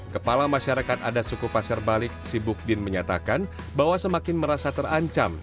kepala masyarakat adat suku pasir balik sibukdin menyatakan bahwa semakin merasa terancam